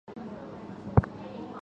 所属相扑部屋是境川部屋。